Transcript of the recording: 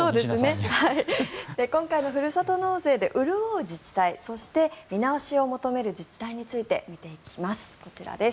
今回のふるさと納税で潤う自治体そして見直しを求める自治体について見ていきます。